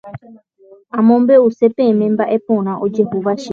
Amombe'use peẽme mba'eporã ojehúva chéve.